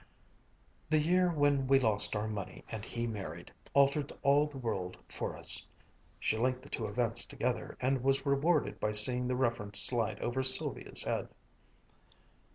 "The year when we lost our money and he married, altered all the world for us." She linked the two events together, and was rewarded by seeing the reference slide over Sylvia's head.